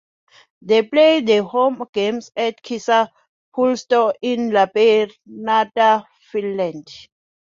They play their home games at Kisapuisto in Lappeenranta, Finland.